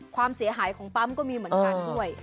ความเสียหายของปั๊มก็มีเหมือนกันด้วย